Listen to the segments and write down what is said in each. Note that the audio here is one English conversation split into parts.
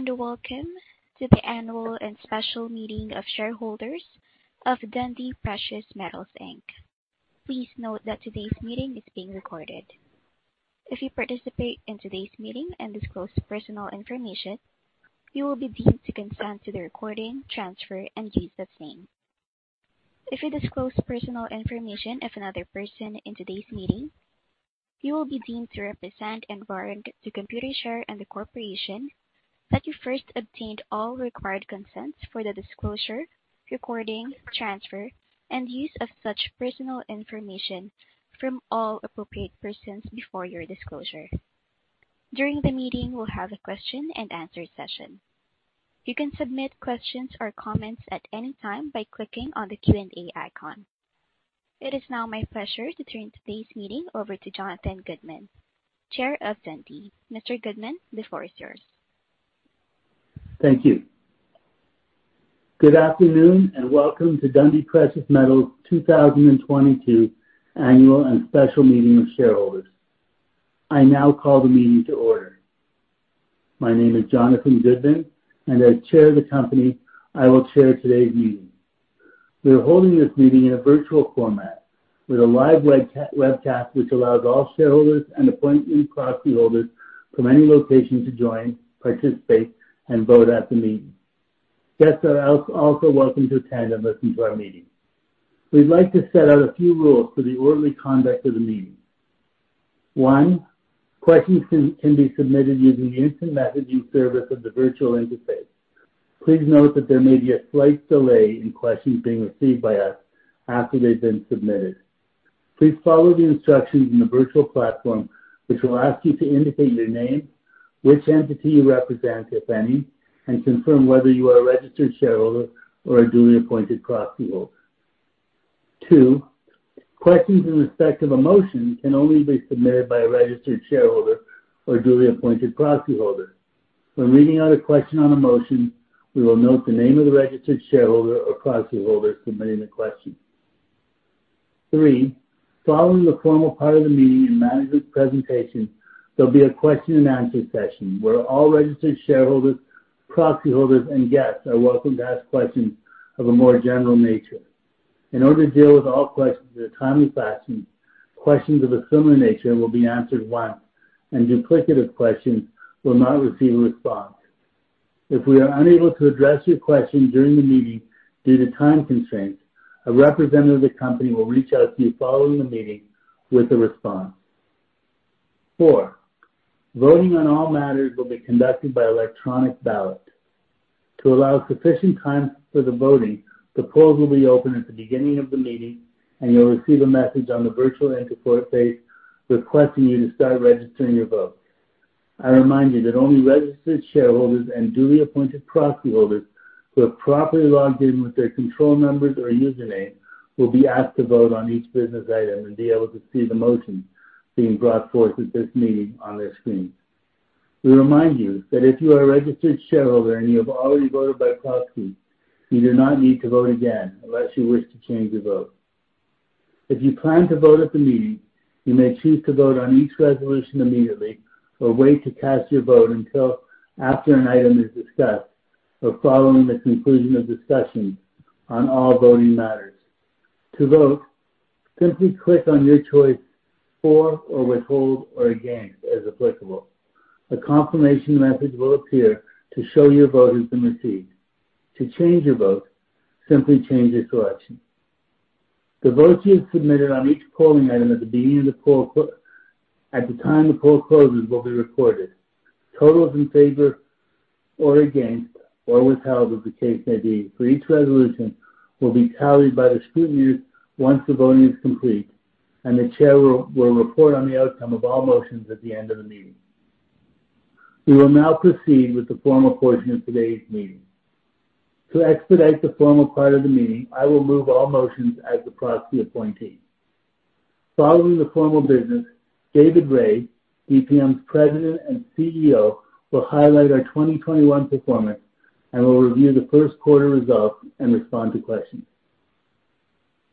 Hello and welcome to the annual and special meeting of shareholders of Dundee Precious Metals Inc. Please note that today's meeting is being recorded. If you participate in today's meeting and disclose personal information, you will be deemed to consent to the recording, transfer, and use of same. If you disclose personal information of another person in today's meeting, you will be deemed to represent and warrant to Computershare and the corporation that you first obtained all required consents for the disclosure, recording, transfer, and use of such personal information from all appropriate persons before your disclosure. During the meeting, we'll have a question and answer session. You can submit questions or comments at any time by clicking on the Q&A icon. It is now my pleasure to turn today's meeting over to Jonathan Goodman, Chair of Dundee. Mr. Goodman, the floor is yours. Thank you. Good afternoon and welcome to Dundee Precious Metals 2022 annual and special meeting of shareholders. I now call the meeting to order. My name is Jonathan Goodman, and as chair of the company, I will chair today's meeting. We are holding this meeting in a virtual format with a live webcast which allows all shareholders and appointed proxyholders from any location to join, participate, and vote at the meeting. Guests are also welcome to attend and listen to our meeting. We'd like to set out a few rules for the orderly conduct of the meeting. One, questions can be submitted using the instant messaging service of the virtual interface. Please note that there may be a slight delay in questions being received by us after they've been submitted. Please follow the instructions in the virtual platform, which will ask you to indicate your name, which entity you represent, if any, and confirm whether you are a registered shareholder or a duly appointed proxyholder. 2, questions in respect of a motion can only be submitted by a registered shareholder or duly appointed proxyholder. When reading out a question on a motion, we will note the name of the registered shareholder or proxyholder submitting the question. 3, following the formal part of the meeting and management presentation, there'll be a question and answer session where all registered shareholders, proxyholders, and guests are welcome to ask questions of a more general nature. In order to deal with all questions in a timely fashion, questions of a similar nature will be answered once, and duplicative questions will not receive a response. If we are unable to address your question during the meeting due to time constraints, a representative of the company will reach out to you following the meeting with a response. 4, voting on all matters will be conducted by electronic ballot. To allow sufficient time for the voting, the polls will be open at the beginning of the meeting, and you'll receive a message on the virtual interface requesting you to start registering your vote. I remind you that only registered shareholders and duly appointed proxyholders who have properly logged in with their control numbers or username will be asked to vote on each business item and be able to see the motions being brought forth at this meeting on their screen. We remind you that if you are a registered shareholder and you have already voted by proxy, you do not need to vote again unless you wish to change your vote. If you plan to vote at the meeting, you may choose to vote on each resolution immediately or wait to cast your vote until after an item is discussed or following the conclusion of discussion on all voting matters. To vote, simply click on your choice for or withhold or against as applicable. A confirmation message will appear to show your vote has been received. To change your vote, simply change your selection. The votes you have submitted on each polling item at the beginning of the poll at the time the poll closes will be recorded. Totals in favor or against or withheld, as the case may be, for each resolution will be tallied by the scrutineers once the voting is complete, and the chair will report on the outcome of all motions at the end of the meeting. We will now proceed with the formal portion of today's meeting. To expedite the formal part of the meeting, I will move all motions as the proxy appointee. Following the formal business, David Rae, DPM's President and CEO, will highlight our 2021 performance and will review the first quarter results and respond to questions.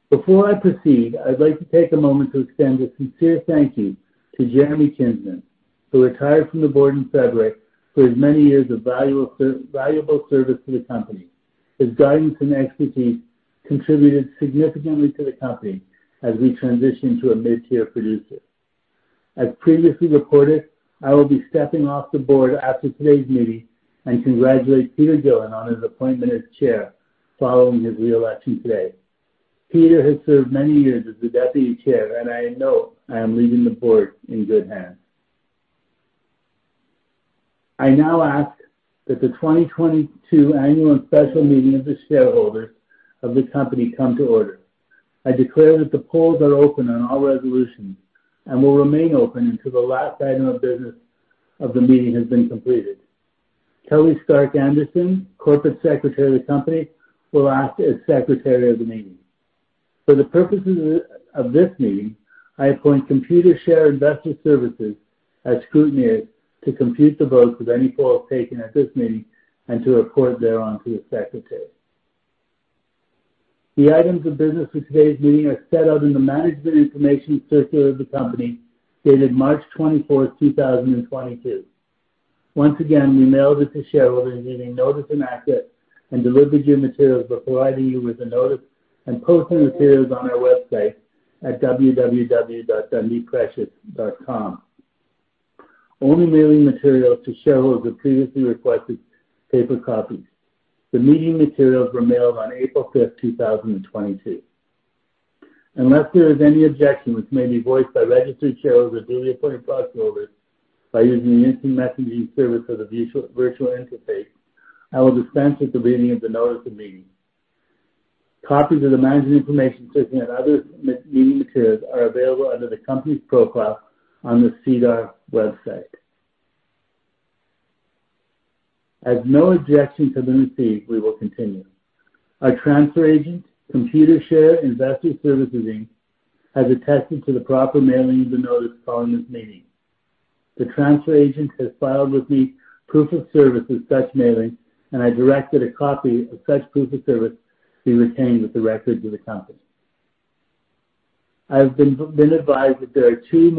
Before I proceed, I'd like to take a moment to extend a sincere thank you to Jeremy Kinsman, who retired from the board in February, for his many years of valuable service to the company. His guidance and expertise contributed significantly to the company as we transition to a mid-tier producer. As previously reported, I will be stepping off the board after today's meeting and congratulate Peter Gillin on his appointment as chair following his re-election today. Peter has served many years as the deputy chair, and I know I am leaving the board in good hands. I now ask that the 2022 annual and special meeting of the shareholders of the company come to order. I declare that the polls are open on all resolutions and will remain open until the last item of business of the meeting has been completed. Kelly Stark-Anderson, corporate secretary of the company, will act as secretary of the meeting. For the purposes of this meeting, I appoint Computershare Investor Services as scrutineer to compute the votes of any polls taken at this meeting and to report thereon to the secretary. The items of business for today's meeting are set out in the management information circular of the company, dated March 24, 2022. Once again, we mailed it to shareholders giving notice and access and delivered your materials before providing you with a notice and posting materials on our website at www.dundeeprecious.com. We only mailed materials to shareholders who previously requested paper copies. The meeting materials were mailed on April 5, 2022. Unless there is any objection which may be voiced by registered shareholders or duly appointed proxyholders by using the instant messaging service or the audio-visual interface, I will dispense with the reading of the notice of meeting. Copies of the management information circular and other meeting materials are available under the company's profile on the SEDAR website. As no objection to them received, we will continue. Our transfer agent, Computershare Investor Services Inc., has attested to the proper mailing of the notice calling this meeting. The transfer agent has filed with me proof of service of such mailing, and I directed a copy of such proof of service to be retained with the records of the company. I've been advised that there are two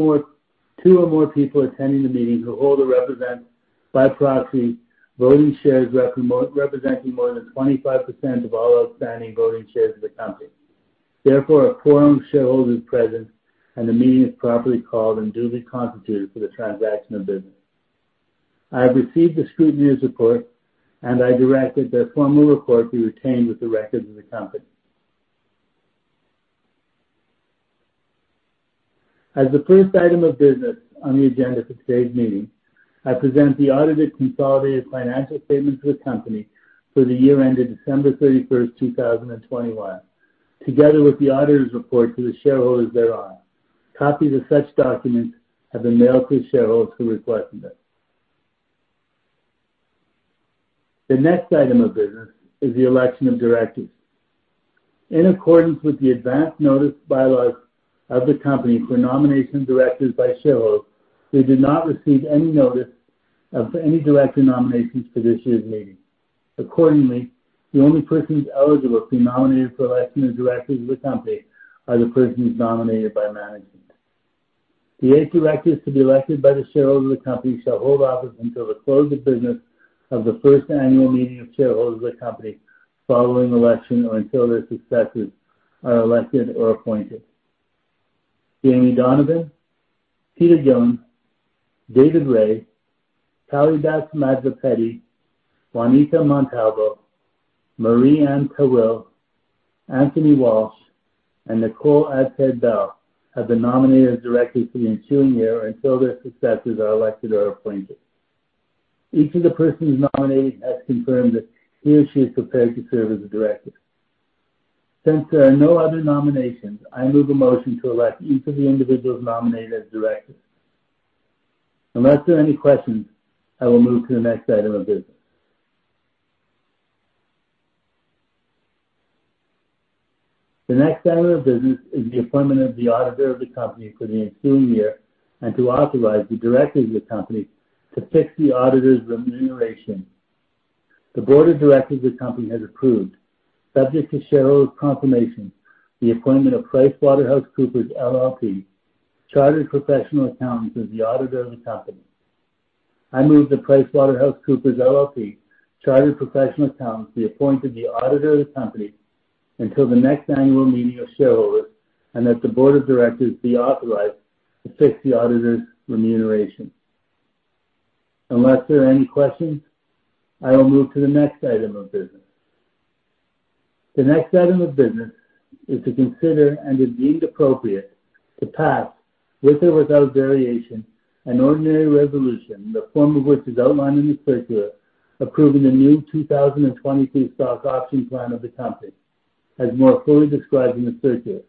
or more people attending the meeting who hold or represent by proxy voting shares representing more than 25% of all outstanding voting shares of the company. Therefore, a quorum of shareholders present and the meeting is properly called and duly constituted for the transaction of business. I have received the scrutineer's report, and I directed that a formal report be retained with the records of the company. As the first item of business on the agenda for today's meeting, I present the audited consolidated financial statements of the company for the year ended December 31, 2021, together with the auditor's report to the shareholders thereon. Copies of such documents have been mailed to shareholders who requested it. The next item of business is the election of directors. In accordance with the advanced notice bylaws of the company for nomination of directors by shareholders, we did not receive any notice of any director nominations for this year's meeting. Accordingly, the only persons eligible to be nominated for election as directors of the company are the persons nominated by management. The eight directors to be elected by the shareholders of the company shall hold office until the close of business of the first annual meeting of shareholders of the company following election or until their successors are elected or appointed. Jaimie Donovan, R. Peter Gillin, David Rae, Kalidas Madhavpeddi, Juanita Montalvo, Marie-Anne Tawil, Anthony Walsh, and Nicole Adshead-Bell have been nominated as directors for the ensuing year until their successors are elected or appointed. Each of the persons nominated has confirmed that he or she is prepared to serve as a director. Since there are no other nominations, I move a motion to elect each of the individuals nominated as directors. Unless there are any questions, I will move to the next item of business. The next item of business is the appointment of the auditor of the company for the ensuing year and to authorize the directors of the company to fix the auditor's remuneration. The board of directors of the company has approved, subject to shareholders' confirmation, the appointment of PricewaterhouseCoopers LLP, Chartered Professional Accountants as the auditor of the company. I move that PricewaterhouseCoopers LLP, Chartered Professional Accountants, be appointed the auditor of the company until the next annual meeting of shareholders and that the board of directors be authorized to fix the auditor's remuneration. Unless there are any questions, I will move to the next item of business. The next item of business is to consider and is deemed appropriate to pass, with or without variation, an ordinary resolution, the form of which is outlined in the circular, approving the new 2022 stock option plan of the company, as more fully described in the circular.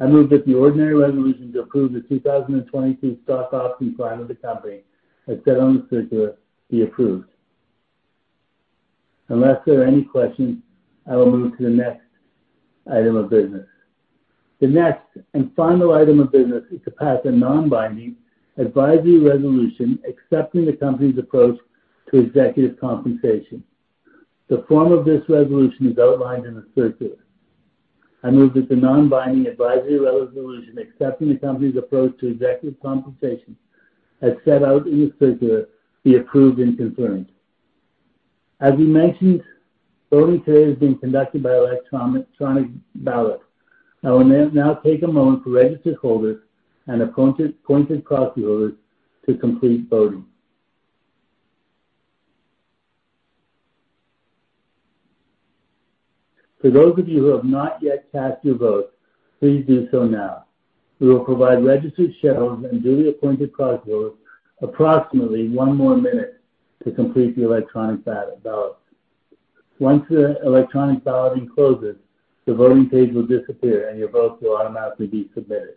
I move that the ordinary resolution to approve the 2022 stock option plan of the company, as set out in the circular, be approved. Unless there are any questions, I will move to the next item of business. The next and final item of business is to pass a non-binding advisory resolution accepting the company's approach to executive compensation. The form of this resolution is outlined in the circular. I move that the non-binding advisory resolution accepting the company's approach to executive compensation, as set out in the circular, be approved and confirmed. As we mentioned, voting today is being conducted by electronic ballot. I will now take a moment for registered holders and appointed proxyholders to complete voting. For those of you who have not yet cast your vote, please do so now. We will provide registered shareholders and duly appointed proxyholders approximately one more minute to complete the electronic ballot. Once the electronic balloting closes, the voting page will disappear, and your vote will automatically be submitted.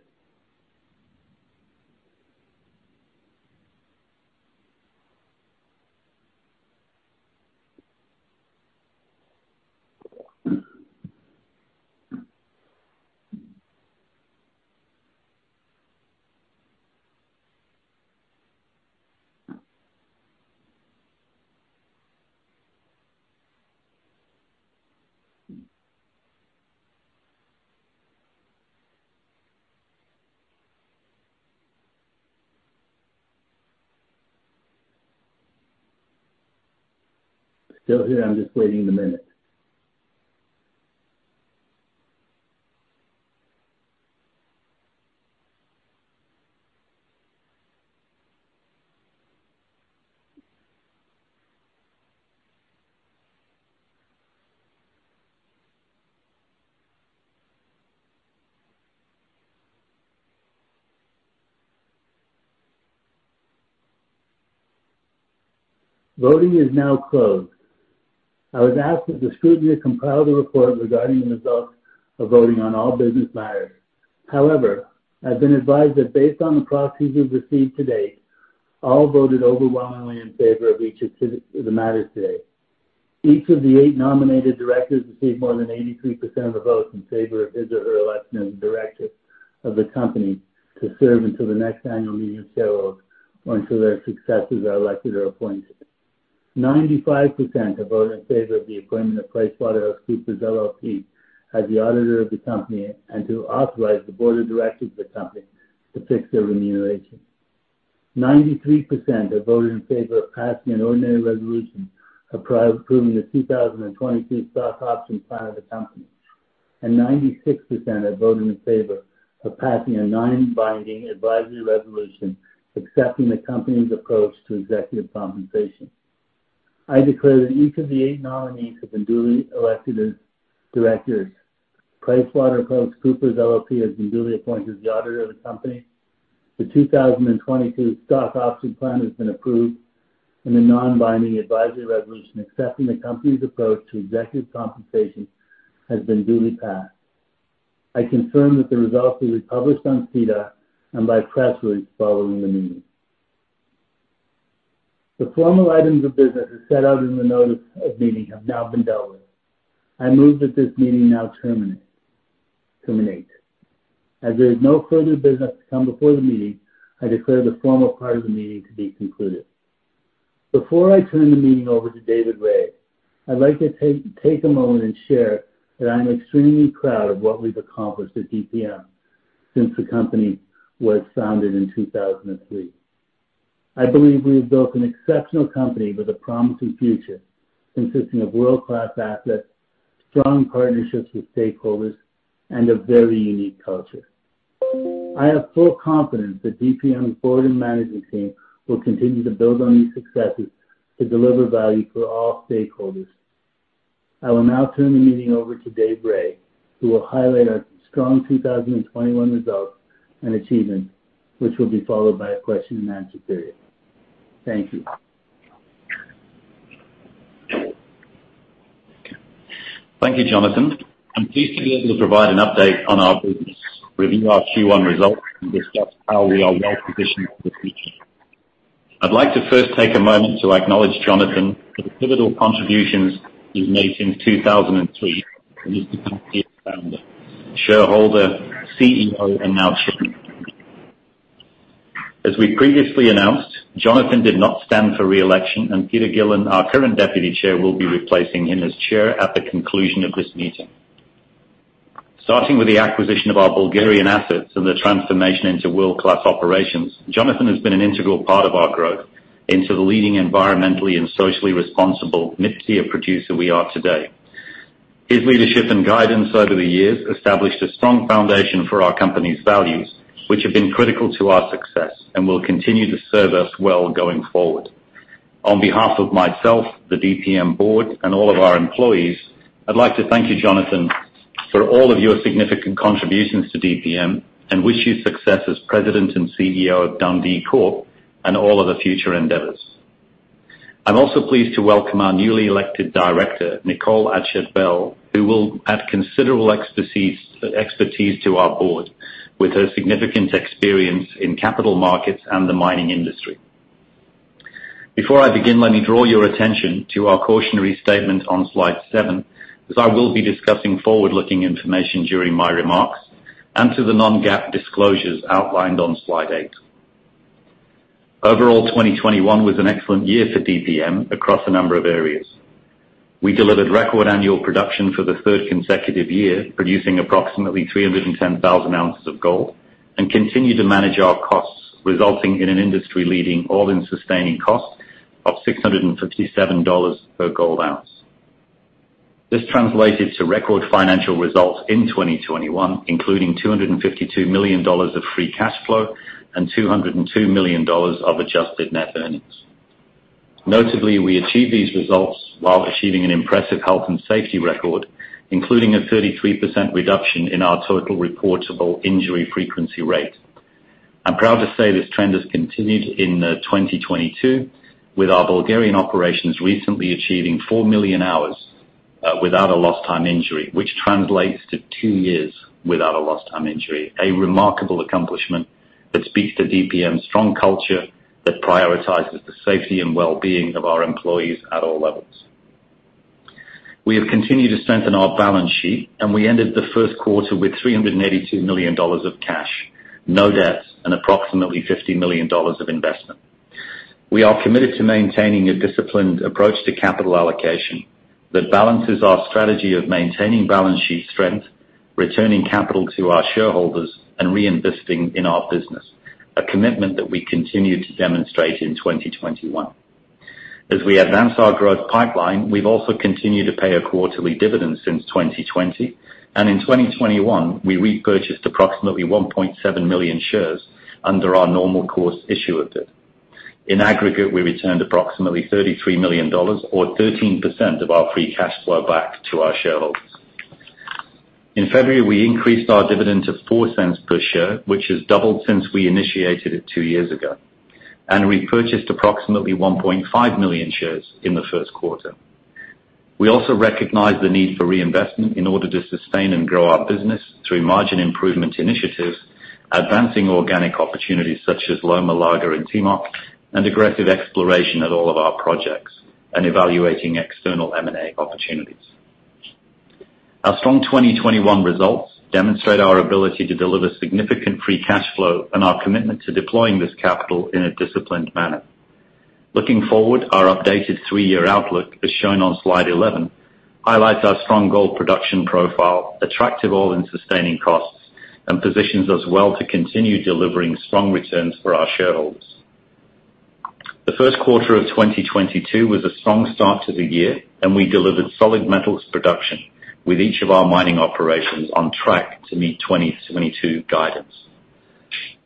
Still here. I'm just waiting a minute. Voting is now closed. I was asked that the steward may compile the report regarding the results of voting on all business matters. However, I've been advised that based on the proxies we've received to date, all voted overwhelmingly in favor of each of the matters today. Each of the eight nominated directors received more than 83% of the vote in favor of his or her election as a director of the company to serve until the next annual meeting of shareholders or until their successors are elected or appointed. 95% have voted in favor of the appointment of PricewaterhouseCoopers LLP as the auditor of the company and to authorize the board of directors of the company to fix their remuneration. 93% have voted in favor of passing an ordinary resolution approving the 2022 stock option plan of the company. 96% have voted in favor of passing a non-binding advisory resolution accepting the company's approach to executive compensation. I declare that each of the eight nominees have been duly elected as directors. PricewaterhouseCoopers LLP has been duly appointed as the auditor of the company. The 2022 stock option plan has been approved, and the non-binding advisory resolution accepting the company's approach to executive compensation has been duly passed. I confirm that the results will be published on SEDAR and by press release following the meeting. The formal items of business as set out in the notice of meeting have now been dealt with. I move that this meeting now terminate. As there is no further business to come before the meeting, I declare the formal part of the meeting to be concluded. Before I turn the meeting over to David Rae, I'd like to take a moment and share that I'm extremely proud of what we've accomplished at DPM since the company was founded in 2003. I believe we have built an exceptional company with a promising future, consisting of world-class assets, strong partnerships with stakeholders, and a very unique culture. I have full confidence that DPM's board and management team will continue to build on these successes to deliver value for all stakeholders. I will now turn the meeting over to David Rae, who will highlight our strong 2021 results and achievements, which will be followed by a question-and-answer period. Thank you. Thank you, Jonathan. I'm pleased to be able to provide an update on our business, review our Q1 results, and discuss how we are well positioned for the future. I'd like to first take a moment to acknowledge Jonathan for the pivotal contributions he's made since 2003 when he became the founder, shareholder, CEO, and now chairman. As we previously announced, Jonathan did not stand for re-election, and R. Peter Gillin, our current Deputy Chair, will be replacing him as Chair at the conclusion of this meeting. Starting with the acquisition of our Bulgarian assets and the transformation into world-class operations, Jonathan has been an integral part of our growth into the leading environmentally and socially responsible mid-tier producer we are today. His leadership and guidance over the years established a strong foundation for our company's values, which have been critical to our success and will continue to serve us well going forward. On behalf of myself, the DPM board, and all of our employees, I'd like to thank you, Jonathan, for all of your significant contributions to DPM and wish you success as president and CEO of Dundee Corp and all other future endeavors. I'm also pleased to welcome our newly elected director, Nicole Adshead-Bell, who will add considerable expertise to our board with her significant experience in capital markets and the mining industry. Before I begin, let me draw your attention to our cautionary statement on slide seven, as I will be discussing forward-looking information during my remarks, and to the non-GAAP disclosures outlined on slide eight. Overall, 2021 was an excellent year for DPM across a number of areas. We delivered record annual production for the third consecutive year, producing approximately 310,000 ounces of gold, and continued to manage our costs, resulting in an industry-leading all-in sustaining cost of $657 per gold ounce. This translated to record financial results in 2021, including $252 million of free cash flow and $202 million of adjusted net earnings. Notably, we achieved these results while achieving an impressive health and safety record, including a 33% reduction in our total reportable injury frequency rate. I'm proud to say this trend has continued in 2022, with our Bulgarian operations recently achieving 4 million hours without a lost time injury, which translates to 2 years without a lost time injury. A remarkable accomplishment that speaks to DPM's strong culture that prioritizes the safety and well-being of our employees at all levels. We have continued to strengthen our balance sheet, and we ended the first quarter with $382 million of cash, no debts, and approximately $50 million of investment. We are committed to maintaining a disciplined approach to capital allocation that balances our strategy of maintaining balance sheet strength, returning capital to our shareholders, and reinvesting in our business, a commitment that we continue to demonstrate in 2021. As we advance our growth pipeline, we've also continued to pay a quarterly dividend since 2020. In 2021, we repurchased approximately 1.7 million shares under our normal course issuer bid. In aggregate, we returned approximately $33 million or 13% of our free cash flow back to our shareholders. In February, we increased our dividend to $0.04 per share, which has doubled since we initiated it two years ago, and repurchased approximately 1.5 million shares in the first quarter. We also recognize the need for reinvestment in order to sustain and grow our business through margin improvement initiatives, advancing organic opportunities such as Loma Larga and Timok, and aggressive exploration at all of our projects, and evaluating external M&A opportunities. Our strong 2021 results demonstrate our ability to deliver significant free cash flow and our commitment to deploying this capital in a disciplined manner. Looking forward, our updated 3-year outlook, as shown on slide 11, highlights our strong gold production profile, attractive all-in sustaining costs, and positions us well to continue delivering strong returns for our shareholders. The first quarter of 2022 was a strong start to the year, and we delivered solid metals production with each of our mining operations on track to meet 2022 guidance.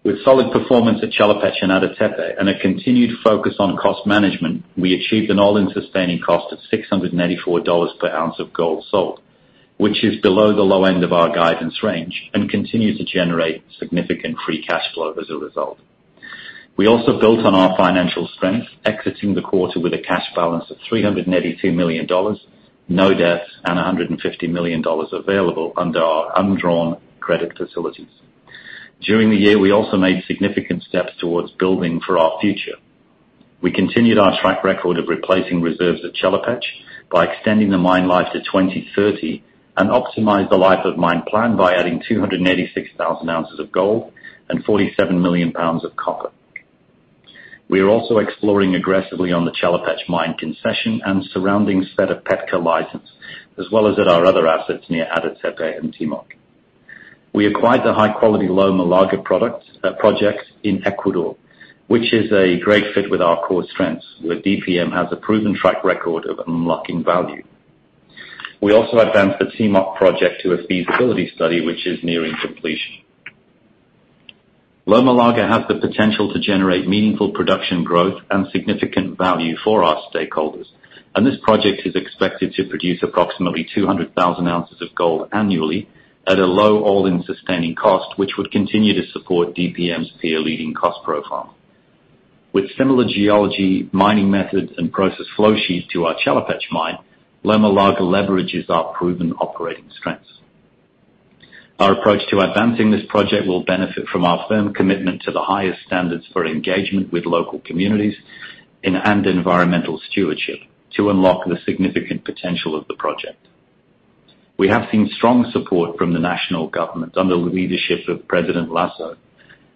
With solid performance at Chelopech and Ada Tepe and a continued focus on cost management, we achieved an all-in sustaining cost of $684 per ounce of gold sold, which is below the low end of our guidance range and continue to generate significant free cash flow as a result. We also built on our financial strength, exiting the quarter with a cash balance of $382 million, no debts, and $150 million available under our undrawn credit facilities. During the year, we also made significant steps towards building for our future. We continued our track record of replacing reserves at Chelopech by extending the mine life to 2030 and optimized the life of mine plan by adding 286,000 ounces of gold and 47 million pounds of copper. We are also exploring aggressively on the Chelopech mine concession and surrounding Sveta Petka license, as well as at our other assets near Ada Tepe and Timok. We acquired the high-quality Loma Larga project in Ecuador, which is a great fit with our core strengths, where DPM has a proven track record of unlocking value. We also advanced the Timok project to a feasibility study which is nearing completion. Loma Larga has the potential to generate meaningful production growth and significant value for our stakeholders, and this project is expected to produce approximately 200,000 ounces of gold annually at a low all-in sustaining cost, which would continue to support DPM's peer-leading cost profile. With similar geology, mining methods, and process flow sheets to our Chelopech mine, Loma Larga leverages our proven operating strengths. Our approach to advancing this project will benefit from our firm commitment to the highest standards for engagement with local communities and environmental stewardship to unlock the significant potential of the project. We have seen strong support from the national government under the leadership of President Lasso,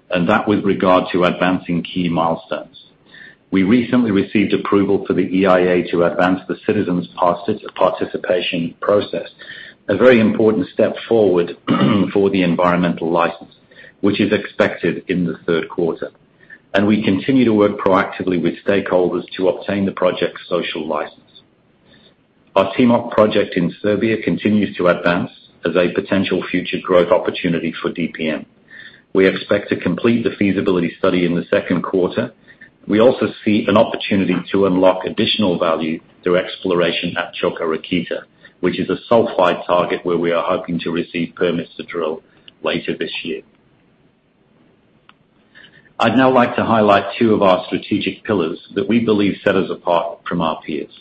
and that with regard to advancing key milestones. We recently received approval for the EIA to advance the citizens participation process, a very important step forward for the environmental license, which is expected in the third quarter. We continue to work proactively with stakeholders to obtain the project's social license. Our Timok project in Serbia continues to advance as a potential future growth opportunity for DPM. We expect to complete the feasibility study in the second quarter. We also see an opportunity to unlock additional value through exploration at Čoka Rakita, which is a sulfide target where we are hoping to receive permits to drill later this year. I'd now like to highlight two of our strategic pillars that we believe set us apart from our peers,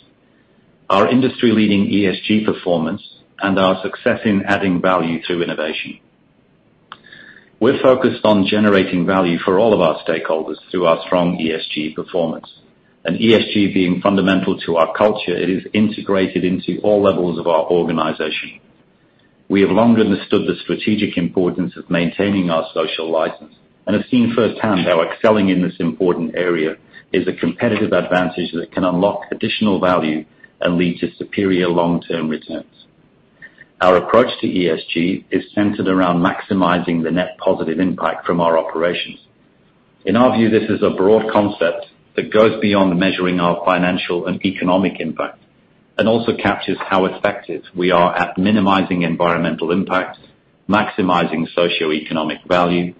our industry-leading ESG performance and our success in adding value through innovation. We're focused on generating value for all of our stakeholders through our strong ESG performance. ESG being fundamental to our culture, it is integrated into all levels of our organization. We have long understood the strategic importance of maintaining our social license and have seen firsthand how excelling in this important area is a competitive advantage that can unlock additional value and lead to superior long-term returns. Our approach to ESG is centered around maximizing the net positive impact from our operations. In our view, this is a broad concept that goes beyond measuring our financial and economic impact and also captures how effective we are at minimizing environmental impacts, maximizing socioeconomic value,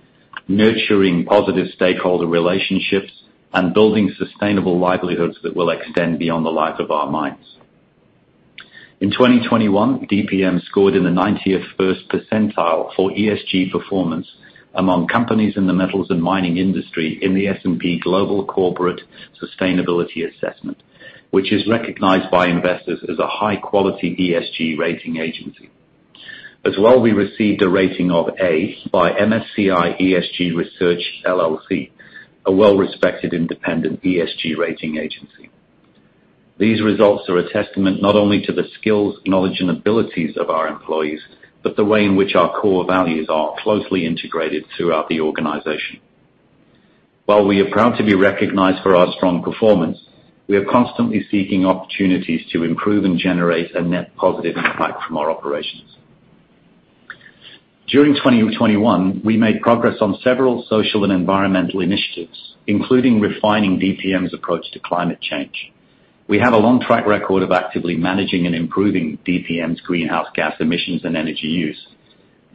nurturing positive stakeholder relationships, and building sustainable livelihoods that will extend beyond the life of our mines. In 2021, DPM scored in the 90th percentile for ESG performance among companies in the metals and mining industry in the S&P Global Corporate Sustainability Assessment, which is recognized by investors as a high-quality ESG rating agency. As well, we received a rating of A by MSCI ESG Research LLC, a well-respected independent ESG rating agency. These results are a testament not only to the skills, knowledge, and abilities of our employees, but the way in which our core values are closely integrated throughout the organization. While we are proud to be recognized for our strong performance, we are constantly seeking opportunities to improve and generate a net positive impact from our operations. During 2020-2021, we made progress on several social and environmental initiatives, including refining DPM's approach to climate change. We have a long track record of actively managing and improving DPM's greenhouse gas emissions and energy use.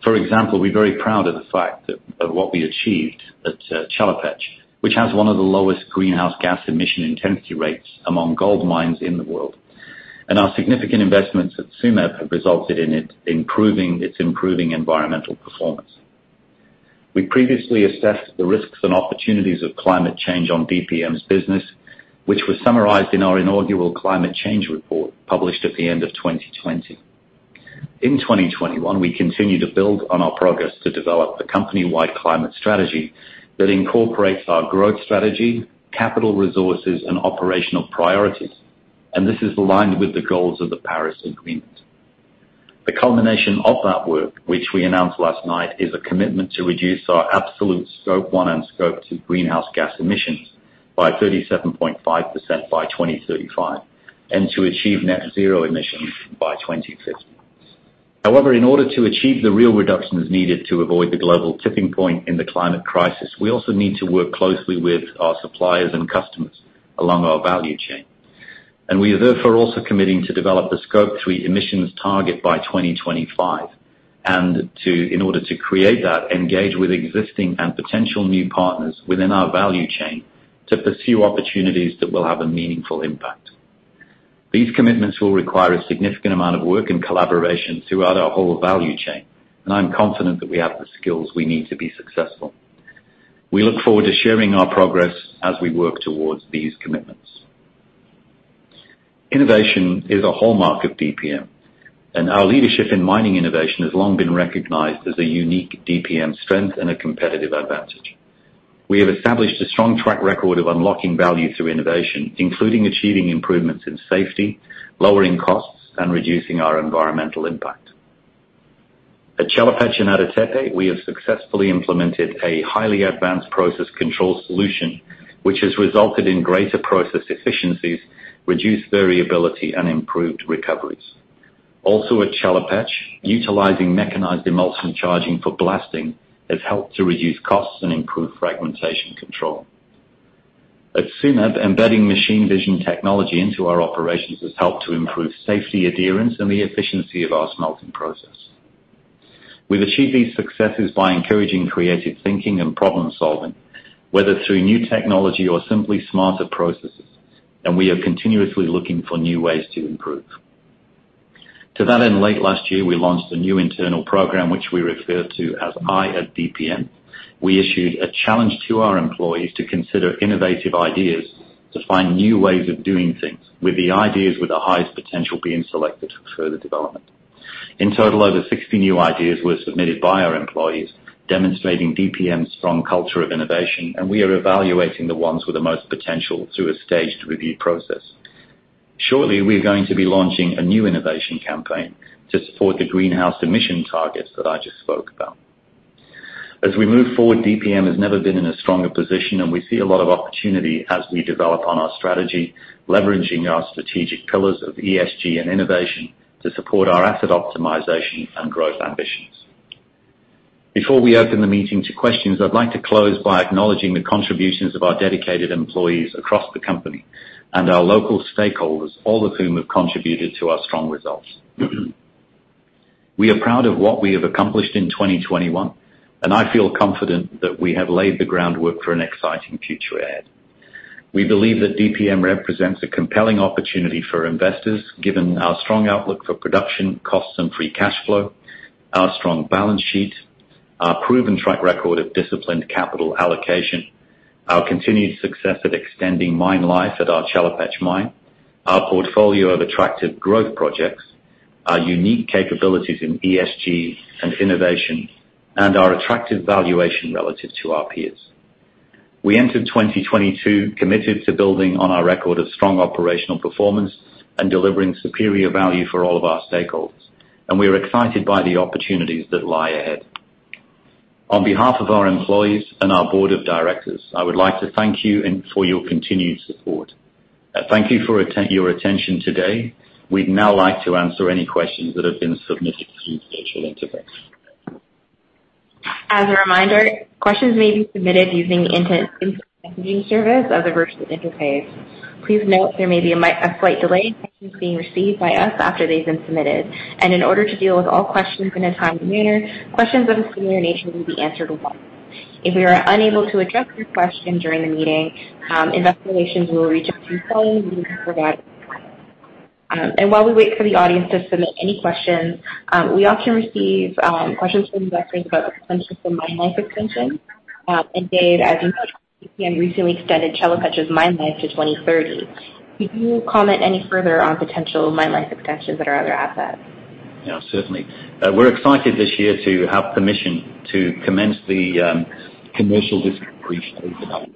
For example, we're very proud of the fact that, of what we achieved at Chelopech, which has one of the lowest greenhouse gas emission intensity rates among gold mines in the world. Our significant investments at Tsumeb have resulted in its improving environmental performance. We previously assessed the risks and opportunities of climate change on DPM's business, which was summarized in our inaugural climate change report, published at the end of 2020. In 2021, we continued to build on our progress to develop the company-wide climate strategy that incorporates our growth strategy, capital resources, and operational priorities, and this is aligned with the goals of the Paris Agreement. The culmination of that work, which we announced last night, is a commitment to reduce our absolute Scope 1 and Scope 2 greenhouse gas emissions by 37.5% by 2035, and to achieve net zero emissions by 2050. However, in order to achieve the real reductions needed to avoid the global tipping point in the climate crisis, we also need to work closely with our suppliers and customers along our value chain. We are therefore also committing to develop the Scope 3 emissions target by 2025 and to, in order to create that, engage with existing and potential new partners within our value chain to pursue opportunities that will have a meaningful impact. These commitments will require a significant amount of work and collaboration throughout our whole value chain, and I'm confident that we have the skills we need to be successful. We look forward to sharing our progress as we work towards these commitments. Innovation is a hallmark of DPM, and our leadership in mining innovation has long been recognized as a unique DPM strength and a competitive advantage. We have established a strong track record of unlocking value through innovation, including achieving improvements in safety, lowering costs, and reducing our environmental impact. At Chelopech and Ada Tepe, we have successfully implemented a highly advanced process control solution, which has resulted in greater process efficiencies, reduced variability, and improved recoveries. Also at Chelopech, utilizing mechanized emulsion charging for blasting has helped to reduce costs and improve fragmentation control. At Tsumeb, embedding machine vision technology into our operations has helped to improve safety adherence and the efficiency of our smelting process. We've achieved these successes by encouraging creative thinking and problem-solving, whether through new technology or simply smarter processes, and we are continuously looking for new ways to improve. To that end, late last year, we launched a new internal program, which we refer to as i@DPM. We issued a challenge to our employees to consider innovative ideas to find new ways of doing things, with the ideas with the highest potential being selected for further development. In total, over 60 new ideas were submitted by our employees, demonstrating DPM's strong culture of innovation, and we are evaluating the ones with the most potential through a staged review process. Shortly, we're going to be launching a new innovation campaign to support the greenhouse emission targets that I just spoke about. As we move forward, DPM has never been in a stronger position, and we see a lot of opportunity as we develop on our strategy, leveraging our strategic pillars of ESG and innovation to support our asset optimization and growth ambitions. Before we open the meeting to questions, I'd like to close by acknowledging the contributions of our dedicated employees across the company and our local stakeholders, all of whom have contributed to our strong results. We are proud of what we have accomplished in 2021, and I feel confident that we have laid the groundwork for an exciting future ahead. We believe that DPM represents a compelling opportunity for investors, given our strong outlook for production, costs and free cash flow, our strong balance sheet, our proven track record of disciplined capital allocation, our continued success at extending mine life at our Chelopech mine, our portfolio of attractive growth projects, our unique capabilities in ESG and innovation, and our attractive valuation relative to our peers. We entered 2022 committed to building on our record of strong operational performance and delivering superior value for all of our stakeholders, and we are excited by the opportunities that lie ahead. On behalf of our employees and our board of directors, I would like to thank you for your continued support. Thank you for your attention today. We'd now like to answer any questions that have been submitted through the virtual interface. As a reminder, questions may be submitted using the instant messaging service of the virtual interface. Please note there may be a slight delay in questions being received by us after they've been submitted. In order to deal with all questions in a timely manner, questions of a similar nature will be answered at once. If we are unable to address your question during the meeting, Investor Relations will reach out to you saying we can provide. While we wait for the audience to submit any questions, we often receive questions from investors about the potential for mine life extension. David Rae, as you know, DPM recently extended Chelopech's mine life to 2030. Could you comment any further on potential mine life extensions at our other assets? Yeah, certainly. We're excited this year to have permission to commence the commercial discovery stage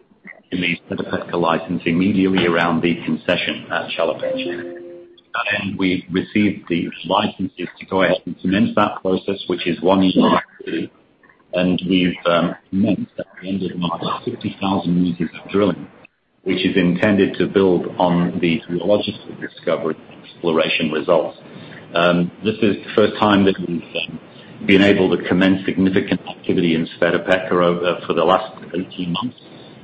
in the Sveta Petka licensing immediately around the concession at Chelopech. We've received the licenses to go ahead and commence that process, and we've commenced at the end of March 60,000 meters of drilling, which is intended to build on the geological discovery exploration results. This is the first time that we've been able to commence significant activity in Sveta Petka for the last 18 months,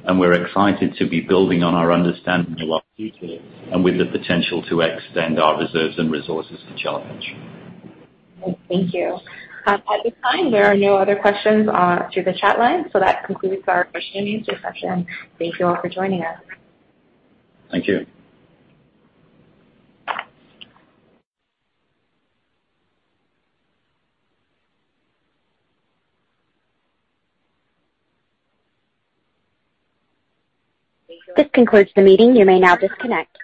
and we're excited to be building on our understanding of our future and with the potential to extend our reserves and resources to Chelopech. Thank you. At this time, there are no other questions through the chat line. That concludes our question and answer session. Thank you all for joining us. Thank you. This concludes the meeting. You may now disconnect.